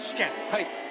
はい。